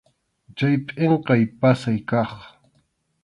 Chay pʼinqay pasay kaq.